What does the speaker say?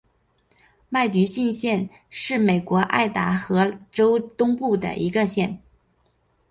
麦迪逊县是美国爱达荷州东部的一个县。